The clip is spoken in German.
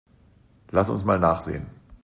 Lass uns mal nachsehen.